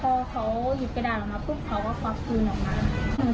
พอเขาหยิบกระดาษออกมาปุ๊บเขาก็ควักปืนออกมา